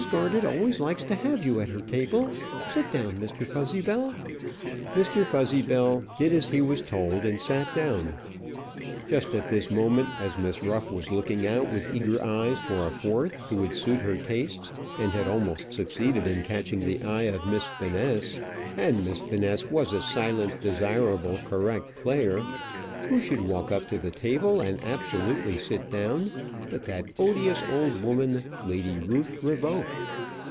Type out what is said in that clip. Garded always likes to have you at her table. Sit down, Mr. Fuzzybell." Mr. Fuzzybell did as he was told, and sat down. Just at this moment, as Miss Ruff was looking out with eager eyes for a fourth who would suit her tastes, and had almost succeeded in catching the eye of Miss Finesse and Miss Finesse was a silent, desirable, correct player who should walk up to the table and absolutely sit down but that odious old woman, Lady Ruth Revoke!